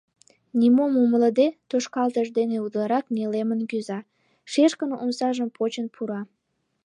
Нимом умылыде, тошкалтыш дене утларак нелемын кӱза, шешкын омсажым почын пура.